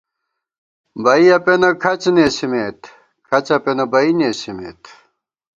بئیَہ پېنہ کھڅ نېسِمېت ، کھڅَہ پېنہ بئ نېسِمېت